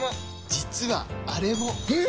実はあれも！え！？